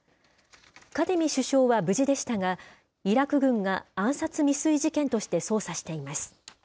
カディミ首相は無事でしたが、イラク軍が暗殺未遂事件として捜査しています。